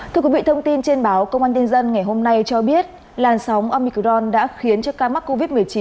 thưa quý vị thông tin trên báo công an nhân dân ngày hôm nay cho biết làn sóng amicron đã khiến cho ca mắc covid một mươi chín